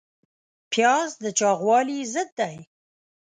پیاز د چاغوالي ضد دی